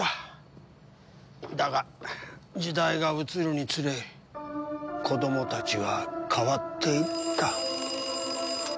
だが時代が移るにつれ子どもたちは変わっていった。